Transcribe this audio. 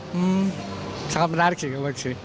hmm sangat menarik sih